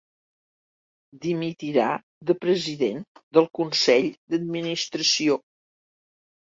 Dimitirà de president del consell d'administració.